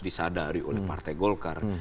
disadari oleh partai golkar